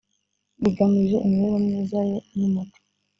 bigamije imibereho myiza ye n umuco